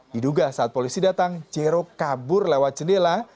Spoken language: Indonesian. diduga saat polisi datang jero kabur lewat jendela